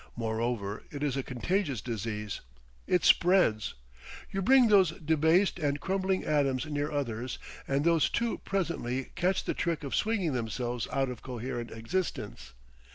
Moreover, it is a contagious disease. It spreads. You bring those debased and crumbling atoms near others and those too presently catch the trick of swinging themselves out of coherent existence.